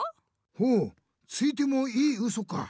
ほうついてもいいウソか。